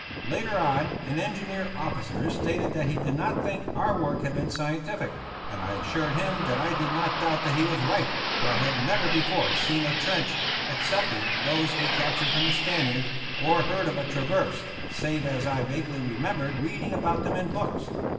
Later on an engineer officer stated that he did not think our work had been scientific; and I assured him that I did not doubt that he was right, for I had never before seen a trench, excepting those we captured from the Spaniards, or heard of a traverse, save as I vaguely remembered reading about them in books.